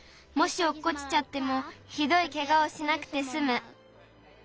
もしおっこちちゃってもひどいケガをしなくてすむ。